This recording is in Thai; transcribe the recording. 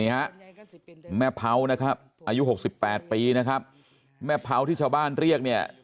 นี้คะแม่เพานะเขาอายุ๖๘ปีนะครับแม่เพาที่ชาวบ้านเรียกเขา